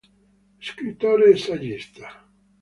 Scrittore e saggista.